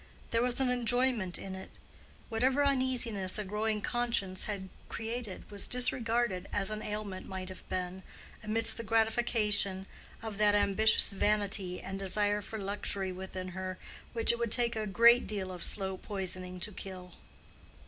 There was an enjoyment in it: whatever uneasiness a growing conscience had created was disregarded as an ailment might have been, amidst the gratification of that ambitious vanity and desire for luxury within her which it would take a great deal of slow poisoning to kill.